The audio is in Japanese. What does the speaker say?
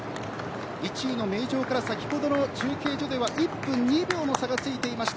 １位の名城から先ほどの中継所では１分２秒の差がついていました。